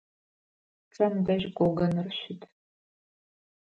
Пчъэм дэжь гогоныр щыт.